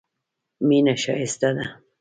مینه ښایسته ده.